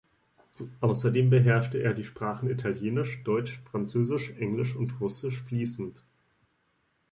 Außerdem beherrschte er die Sprachen Italienisch, Deutsch, Französisch, Englisch und Russisch fließend.